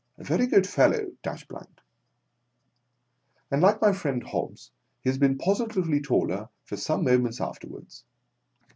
A very good fellow, Dash Blank !" And, like my friend Hobbs, he has been positively taller for some moments after wards.